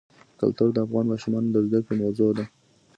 کلتور د افغان ماشومانو د زده کړې موضوع ده.